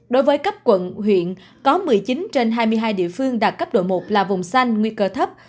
đối với cấp quận huyện có một mươi chín trên hai mươi hai địa phương đạt cấp độ một là vùng xanh nguy cơ thấp